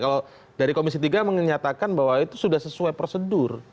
kalau dari komisi tiga menyatakan bahwa itu sudah sesuai prosedur